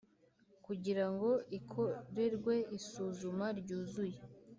kugira ngo ikorerwe isuzuma ryuzuye